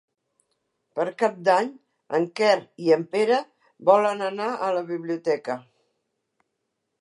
Per Cap d'Any en Quer i en Pere volen anar a la biblioteca.